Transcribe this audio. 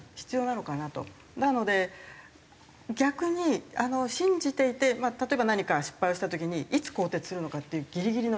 なので逆に信じていて例えば何か失敗をした時にいつ更迭するのかっていうギリギリのタイミング。